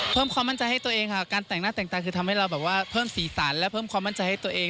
เพิ่มความมั่นใจให้ตัวเองค่ะการแต่งหน้าแต่งตาคือทำให้เราแบบว่าเพิ่มสีสันและเพิ่มความมั่นใจให้ตัวเอง